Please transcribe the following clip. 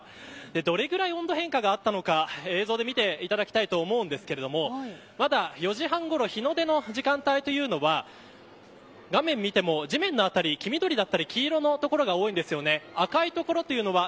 どれぐらい温度変化があったのか映像で見ていただきたいと思うんですけれどもまだ４時半ごろ日の出の時間帯というのは画面を見ても地面の辺り、黄緑だったり黄色の所が多いんですよね。